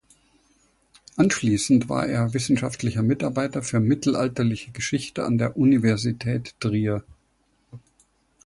Anschließend war er wissenschaftlicher Mitarbeiter für Mittelalterliche Geschichte an der Universität Trier.